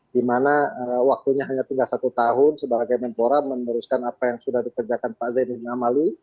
dimana waktunya hanya tinggal satu tahun sebagai menpora meneruskan apa yang sudah dikerjakan pak zainuddin amali